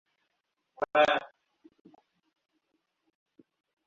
মাধ্যমিক শিক্ষালাভের জন্য তিনি মিশরের কায়রোতে কায়রো আমেরিকান কলেজে যোগ দেন।